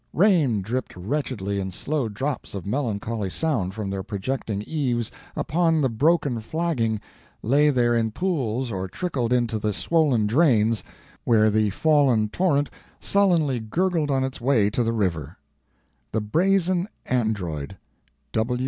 Rain dripped wretchedly in slow drops of melancholy sound from their projecting eaves upon the broken flagging, lay there in pools or trickled into the swollen drains, where the fallen torrent sullenly gurgled on its way to the river. "_The Brazen Android.